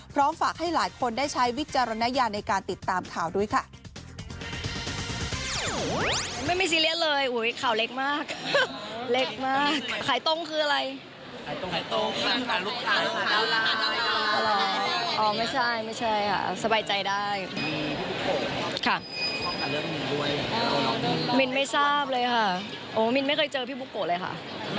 พร้อมฝากให้หลายคนได้ใช้วิจารณญาณในการติดตามข่าวด้วยค่ะ